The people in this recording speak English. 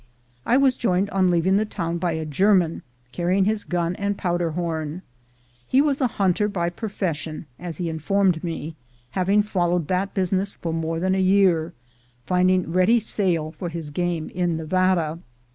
I was joined on leaving the town by a German, carrying his gun and powder horn: he was a hunter by profession, as he informed me, having followed that business for more than a year, finding feady sale for his game in Nevada.